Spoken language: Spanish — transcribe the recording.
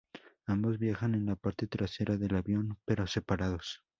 Ambos viajaban en la parte trasera del avión, pero separados.